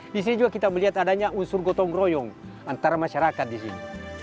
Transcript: di sini juga kita melihat adanya unsur gotong royong antara masyarakat di sini